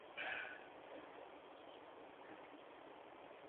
Washington je křesťan.